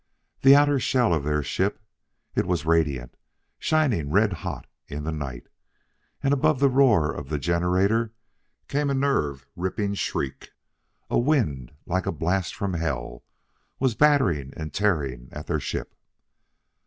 The outer shell of their ship it was radiant shining red hot in the night. And above the roar of the generator came a nerve ripping shriek. A wind like a blast from hell was battering and tearing at their ship.